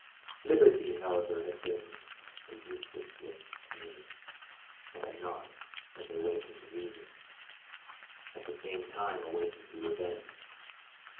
Liberty, however, had been a useless gift to me, had I not, as I awakened to reason, at the same time awakened to revenge.